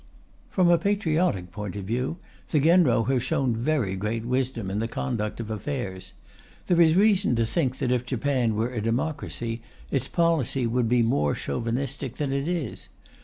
From a patriotic point of view, the Genro have shown very great wisdom in the conduct of affairs. There is reason to think that if Japan were a democracy its policy would be more Chauvinistic than it is.